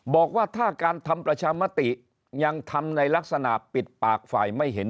บอกว่าถ้าการทำประชามติยังทำในลักษณะปิดปากฝ่ายไม่เห็น